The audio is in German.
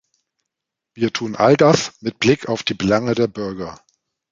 Wir tun all das mit Blick auf die Belange der Bürger.